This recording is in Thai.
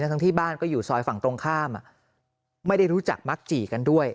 ทั้งที่บ้านก็อยู่ซอยฝั่งตรงข้ามไม่ได้รู้จักมักจี่กันด้วย